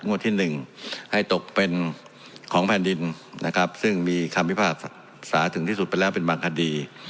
ที่๑ให้ตกเป็นของแผ่นดินนะครับซึ่งมีคำพิพากษาถึงที่สุดไปแล้วเป็นบางคดี